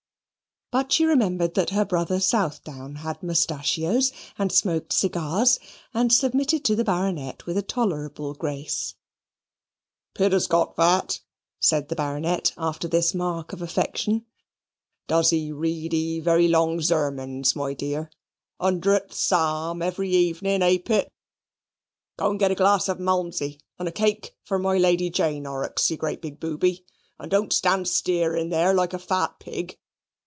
But she remembered that her brother Southdown had mustachios, and smoked cigars, and submitted to the Baronet with a tolerable grace. "Pitt has got vat," said the Baronet, after this mark of affection. "Does he read ee very long zermons, my dear? Hundredth Psalm, Evening Hymn, hay Pitt? Go and get a glass of Malmsey and a cake for my Lady Jane, Horrocks, you great big booby, and don't stand stearing there like a fat pig.